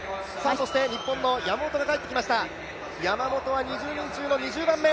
そして日本の山本が帰ってきました２０人中の２０番目。